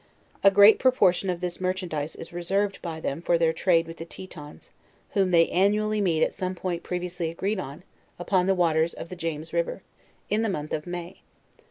A great proportion of this merchandise is reserved by them for their trade with the Tetens, whom they annually meet at some point previously agreed on, upon the waters of James river, in the month of May.